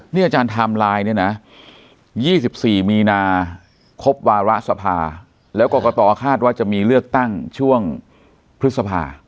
อาจารย์ไทม์ไลน์เนี่ยนะ๒๔มีนาครบวาระสภาแล้วกรกตคาดว่าจะมีเลือกตั้งช่วงพฤษภา